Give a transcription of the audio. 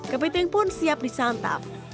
kepiting pun siap disantap